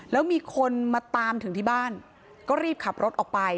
แล้วมีคนมาตามถึงที่บ้านก็รีบขับรถออกไป